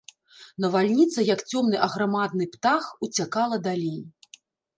Навальніца, як цёмны аграмадны птах, уцякала далей.